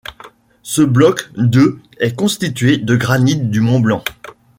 Ce bloc de est constitué de granite du Mont-Blanc.